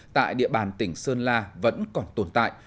tại địa bàn tỉnh sơn la vẫn còn tồn tại